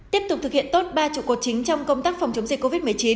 tiếp tục thực hiện tốt ba trụ cột chính trong công tác phòng chống dịch covid một mươi chín